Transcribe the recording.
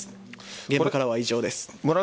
現場からは以上です。